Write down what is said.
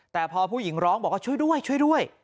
แต่พอผู้หญิงร้องบอกว่าช่วยด้วยช่วยด้วย